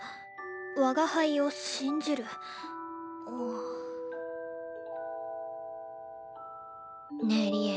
我が輩を信じるうん。ねえ利恵。